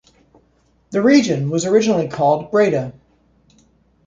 The region was originally called Breda.